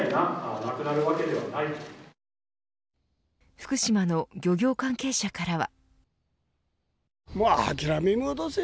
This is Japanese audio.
福島の漁業関係者からは。